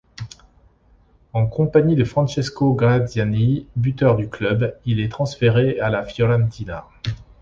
En compagnie de Francesco Graziani, buteur du club, il est transféré à la Fiorentina.